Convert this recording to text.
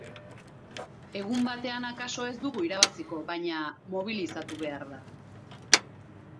Egun batean akaso ez dugu irabaziko baina, mobilizatu behar da.